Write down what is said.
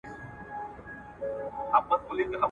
له مستۍ به یې په ډزو کي شیشنی سو ,